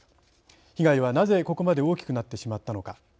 被害はなぜここまで大きくなってしまったのか。